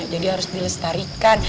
jadi harus dilestarikan